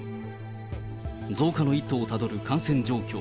増加の一途をたどる感染状況。